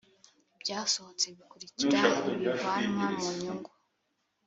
ibyasohotse bikurikira ntibivanwa mu nyungu